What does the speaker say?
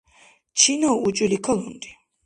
Чинав учӀули калунри?